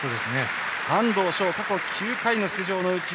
安藤翔、過去９回の出場のうち